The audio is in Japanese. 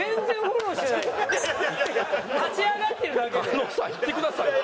狩野さん言ってください。